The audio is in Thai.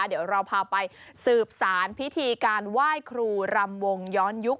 เดี๋ยวเราพาไปสืบสารพิธีการไหว้ครูรำวงย้อนยุค